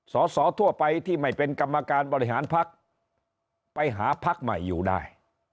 สอสอทั่วไปที่ไม่เป็นกรรมการบริหารพักไปหาพักใหม่อยู่ได้